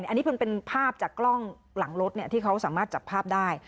อันนี้เป็นภาพจากกล้องหลังรถที่เขาสามารถจับภาพได้